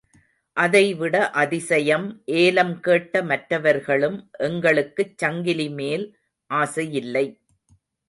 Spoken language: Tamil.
அதைவிட அதிசயம் ஏலம் கேட்ட மற்றவர்களும் எங்களுக்குச் சங்கிலி மேல் ஆசையில்லை.